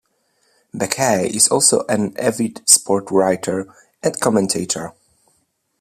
Bakay is also an avid sport writer and commentator.